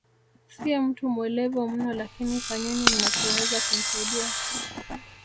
Si mtu mwelevu mno lakini fanyeni mnachoweza kumsaidia